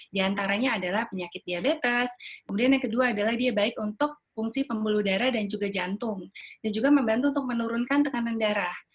di antaranya adalah penyakit diabetes kemudian yang kedua adalah dia baik untuk fungsi pembuluh darah dan juga jantung dan juga membantu untuk menurunkan tekanan darah